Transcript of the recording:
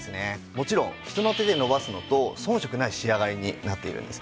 もちろん人の手で伸ばすのと遜色ない仕上がりになっているんです。